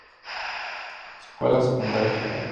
Esc. Sec.Gral.